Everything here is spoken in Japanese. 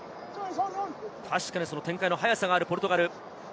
確かに展開の早さがあるポルトガル。